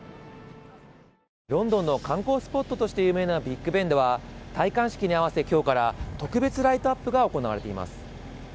ロンドンの観光スポットとして有名なビッグ・ベンでは、戴冠式に合わせて、きょうから特別ライトアップが行われています。